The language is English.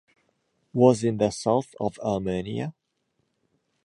Was in the south of Armenia.